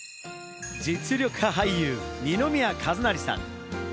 実力派俳優・二宮和也さん。